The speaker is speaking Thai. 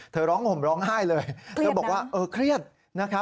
เธอร้องห่มร้องไห้เลยเคลียดนะ